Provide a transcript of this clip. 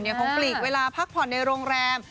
คงปลีกเวลาพักผ่อนในโรงแรม